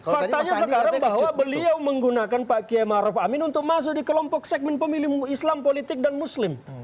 faktanya sekarang bahwa beliau menggunakan pak kiai maruf amin untuk masuk di kelompok segmen pemilih islam politik dan muslim